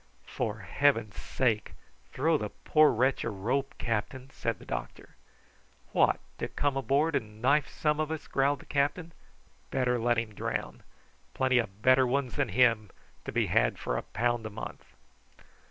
"For Heaven's sake, throw the poor wretch a rope, captain," said the doctor. "What! to come aboard and knife some of us?" growled the captain. "Better let him drown. Plenty of better ones than him to be had for a pound a month."